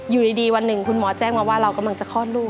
อยู่ดีวันหนึ่งคุณหมอแจ้งมาว่าเรากำลังจะคลอดลูก